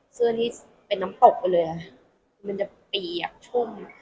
เสื้อนี้เป็นน้ำตกเลยมันจะปีอ่ะชุ่ม